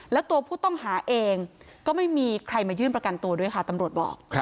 แล้วตัวผู้ต้องหาเองก็ไม่มีใครมายื่นประกันตัวด้วยค่ะตำรวจบอก